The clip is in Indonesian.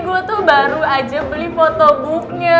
gue tuh baru aja beli photobooknya